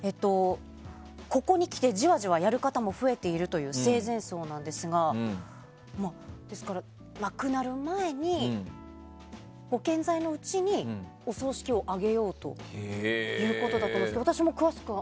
ここにきて、じわじわやる方も増えているという生前葬ですが亡くなる前に、ご健在のうちにお葬式を挙げようということだと思いますが私も詳しくは。